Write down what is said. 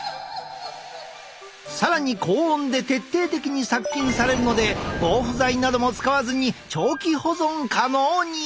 更に高温で徹底的に殺菌されるので防腐剤なども使わずに長期保存可能に！